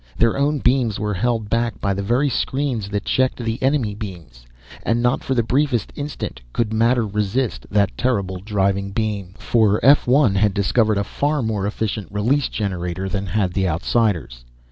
Their own beams were held back by the very screens that checked the enemy beams, and not for the briefest instant could matter resist that terrible driving beam. For F 1 had discovered a far more efficient release generator than had the Outsiders.